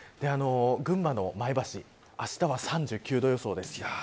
群馬の前橋あしたは３９度予想です。